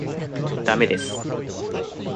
駄目です。